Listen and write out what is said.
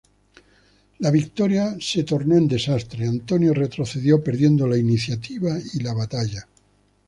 La victoria se tornó en desastre, Antonio retrocedió, perdiendo la iniciativa y la batalla.